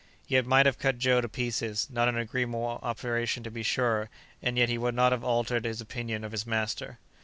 You might have cut Joe to pieces—not an agreeable operation, to be sure—and yet he would not have altered his opinion of his master.